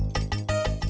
saya sudah selesai